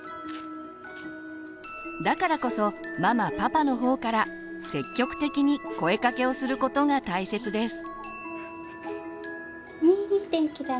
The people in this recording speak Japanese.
だからこそママパパの方から積極的に声かけをすることが大切です。